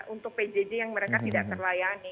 untuk pjj yang mereka tidak terlayani